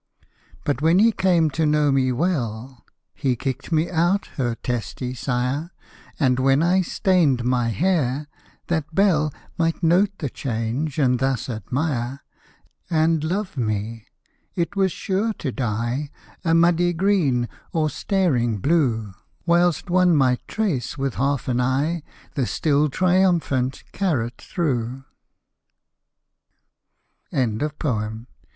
_ But, when he came to know me well, He kicked me out, her testy Sire: And when I stained my hair, that Belle, Might note the change, and thus admire And love me, it was sure to dye A muddy green or staring blue: Whilst one might trace, with half an eye, The still triumphant carrot through. A GAME OF FIVES.